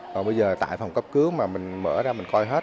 còn bây giờ tại phòng cấp cứu mà mình mở ra mình coi hết